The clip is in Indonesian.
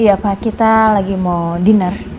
iya pak kita lagi mau dinner